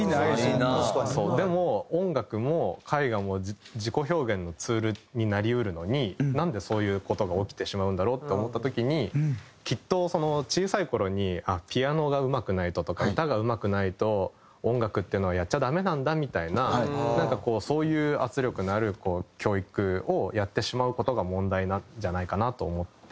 でも音楽も絵画も自己表現のツールになり得るのになんでそういう事が起きてしまうんだろうって思った時にきっと小さい頃に「ピアノがうまくないと」とか「歌がうまくないと音楽っていうのはやっちゃダメなんだ」みたいななんかそういう圧力のある教育をやってしまう事が問題なんじゃないかなと思って。